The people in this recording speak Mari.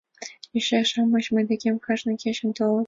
Йоча-шамыч мый декем кажне кечын толыт.